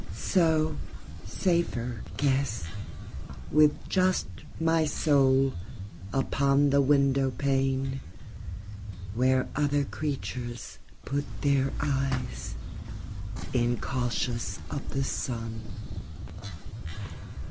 So, safer, guess, with just my soulUpon the window paneWhere other creatures put their eyes, Incautious of the sun.